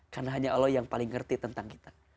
karena hanya allah yang paling ngerti tentang kita